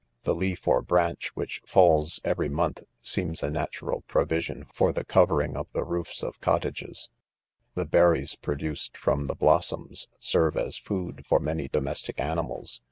The leaf or branch which falls every month, seems a natural provision for the covering of the roofs of cotta ges ; the berries produced from the blossoms serve as food for many domestic animals.